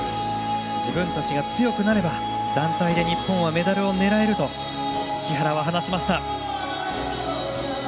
自分たちが強くなれば団体で日本はメダルを狙えると木原は話しました。